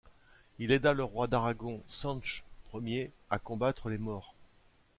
Il aida le roi d'Aragon Sanche I à combattre les Maures.